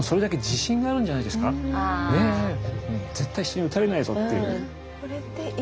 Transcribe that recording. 絶対人に討たれないぞっていう。